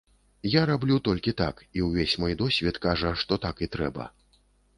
Я раблю толькі так, і ўвесь мой досвед кажа, што так і трэба.